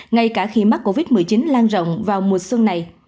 ngay cả khi mắc covid một mươi chín lan rộng vào mùa xuân này